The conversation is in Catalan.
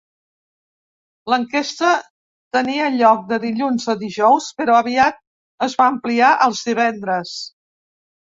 L"enquesta tenia lloc de dilluns a dijous, però aviat es va ampliar als divendres.